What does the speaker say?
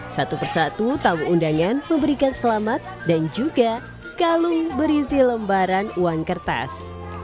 satu persatu tamu undangan memberikan selamat dan juga kalung berisi lembaran uang kertas